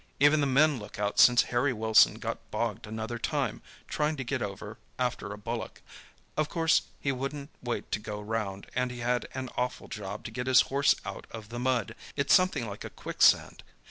Even the men look out since Harry Wilson got bogged another time, trying to get over after a bullock. Of course he wouldn't wait to go round, and he had an awful job to get his horse out of the mud—it's something like a quicksand.